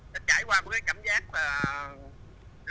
đã trải qua một cái cảm giác